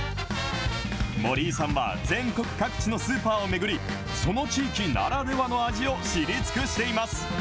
森井さんは全国各地のスーパーを巡り、その地域ならではの味を知り尽くしています。